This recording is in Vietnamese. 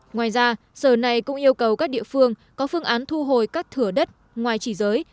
ngoài ra sở này cũng yêu cầu các địa phương có phương án thu hồi các thửa đất ngoài chỉ giới